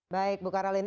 baik bukar alin